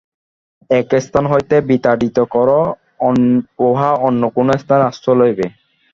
একস্থান হইতে বিতাড়িত কর, উহা অন্য কোন স্থানে আশ্রয় লইবে।